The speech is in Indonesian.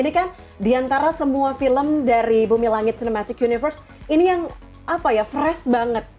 ini kan diantara semua film dari bumi langit cinematic universe ini yang fresh banget